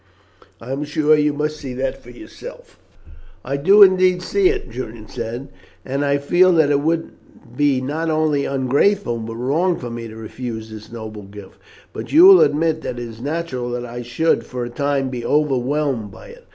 I am sure you must see that yourself." "I do indeed see it," Julian said, "and I feel that it would be not only ungrateful but wrong for me to refuse this noble gift. But you will admit that it is natural that I should for a time be overwhelmed by it.